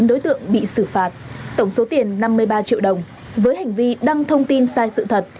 chín đối tượng bị xử phạt tổng số tiền năm mươi ba triệu đồng với hành vi đăng thông tin sai sự thật